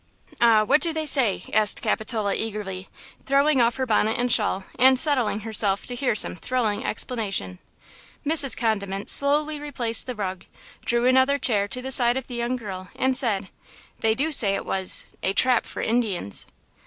"Ah! what do they say?" asked Capitola, eagerly, throwing off her bonnet and shawl and settling herself to hear some thrilling explanation. Mrs. Condiment slowly replaced the rug, drew another chair to the side of the young girl and said: "They do say it was–a trap for Indians!"